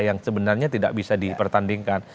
yang sebenarnya tidak bisa dipertandingkan